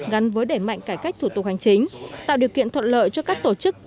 gắn với đẩy mạnh cải cách thủ tục hành chính tạo điều kiện thuận lợi cho các tổ chức